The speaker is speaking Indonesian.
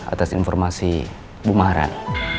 atas informasi bu maran